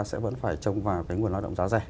sẽ vẫn phải trông vào cái nguồn lao động da dày